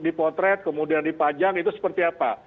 dipotret kemudian dipajang itu seperti apa